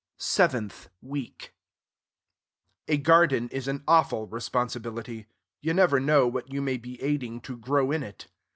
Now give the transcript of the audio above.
SEVENTH WEEK A garden is an awful responsibility. You never know what you may be aiding to grow in it.